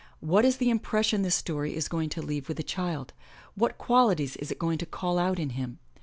What is the impression this story is going to leave with the child? What qualities is it going to call out in him?